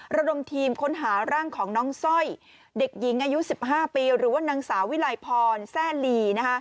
ระดมทีมค้นหาร่างของน้องสร้อยเด็กหญิงอายุ๑๕ปีหรือว่านางสาววิลัยพรแซ่ลี